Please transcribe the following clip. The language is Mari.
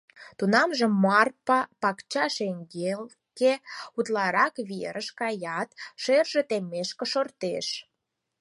Тунамже Марпа пакча шеҥгеке, улакрак верыш, каят, шерже теммешке шортеш.